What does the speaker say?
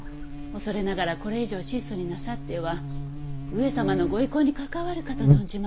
恐れながらこれ以上質素になさっては上様のご威光に関わるかと存じます。